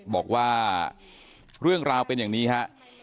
บอกว่าเรื่องราวเป็นอย่างนี้ฮะ